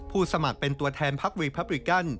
สมัครเป็นตัวแทนพักรีพับริกัน